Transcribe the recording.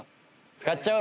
使っちゃう？